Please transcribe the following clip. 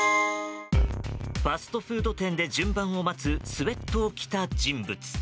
ファストフード店で順番を待つスウェットを着た人物。